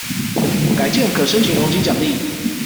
改建可申請容積獎勵